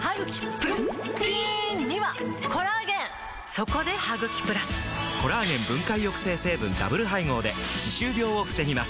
そこで「ハグキプラス」！コラーゲン分解抑制成分ダブル配合で歯周病を防ぎます